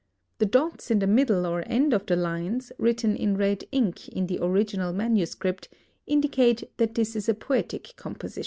The dots in the middle or end of the lines, written in red ink in the original manuscript, indicate that this is a poetic composition.